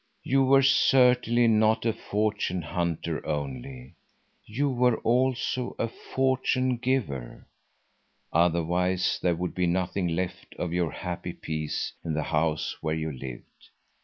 You were certainly not a fortune hunter only; you were also a fortune giver, otherwise there would be nothing left of your happy peace in the house where you lived.